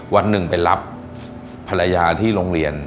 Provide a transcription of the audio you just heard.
วันหนึ่งไปรับภรรยาที่โรงเรียน